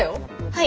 はい。